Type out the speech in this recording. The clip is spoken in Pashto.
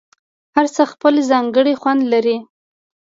هر څه خپل ځانګړی خوند لري.